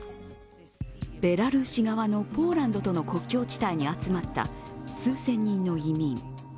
ベラルーシ側のポーランドとの国境地帯に集まった数千人の移民。